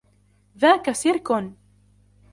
ذاك سيركٌ!